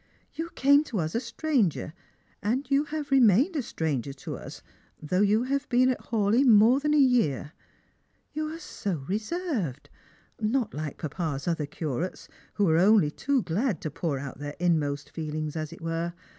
" You came to us a stranger, and you have remained a stranger to us, though you have been at Hawleigh more than a year. You are so reserved — not like papa's other curates, who were only too glad to pour out their inmost feelings, as it were.